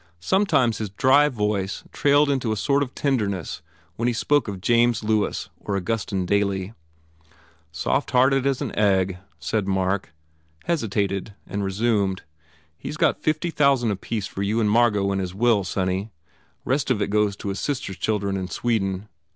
Sometimes his dry voice trailed into a sort of tenderness when he spoke of James Lewis or Augustin Daly. "Softhearted as an egg," said Mark, hesi tated and resumed, "He s got fifty thousand apiece for you and Margot in his will, sonny. Rest of it goes to his sister s children in Sweden.